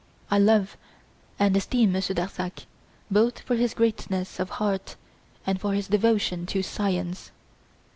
I love and esteem Monsieur Darzac both for his greatness of heart and for his devotion to science.